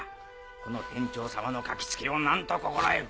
この天朝様の書き付けを何と心得る。